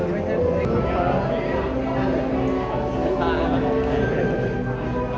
รถถือแม่โดยนะครับ